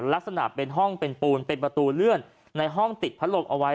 ลักษณะเป็นห้องเป็นปูนเป็นประตูเลื่อนในห้องติดพัดลมเอาไว้